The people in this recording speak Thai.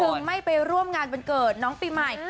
ไม่ไปร่วมงานวันเกิดน้องปีใหม่